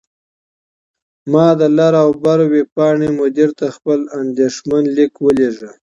ما د «لر او بر» ویبپاڼې مدیر ته خپل اندیښمن لیک ولیږه.